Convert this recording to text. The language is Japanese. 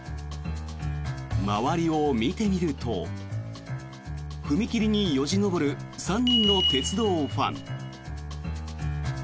周りを見てみると踏切によじ登る３人の鉄道ファン。